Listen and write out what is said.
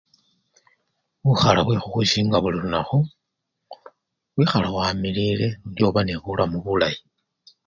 Bukhala bwekhukhwisinga buli lunakhu, wikhala wamilile lundi oba nebulamu bulayi.